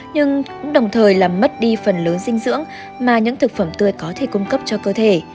nhưng cũng đồng thời làm mất đi phần lớn dinh dưỡng mà những thực phẩm tươi có thể cung cấp cho cơ thể